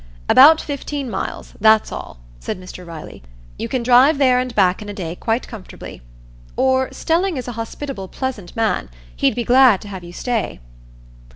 "About fifteen miles; that's all," said Mr Riley. "You can drive there and back in a day quite comfortably. Or—Stelling is a hospitable, pleasant man—he'd be glad to have you stay."